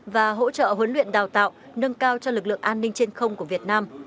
và hỗ trợ huấn luyện đào tạo nâng cao cho lực lượng an ninh trên không của việt nam